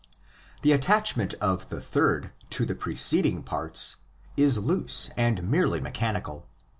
The attachment of the third to the preceding parts is loose and merely mechanical.